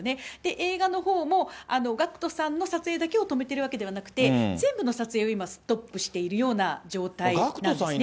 映画のほうも、ＧＡＣＫＴさんの撮影だけを止めてるわけではなくて、全部の撮影を今、ストップしているような状態なんですね。